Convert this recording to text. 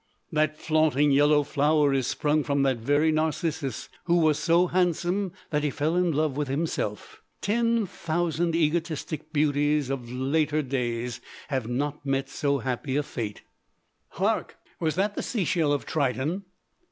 That flaunting yellow flower is sprung from that very Narcissus who was so handsome he fell in love with himself. Ten thousand egotistic beauties of later days have not met so happy a fate. Hark! was that the sea shell of Triton?